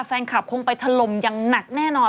แฟนคลับคงไปถล่มอย่างหนักแน่นอน